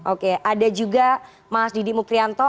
oke ada juga mas didi mukrianto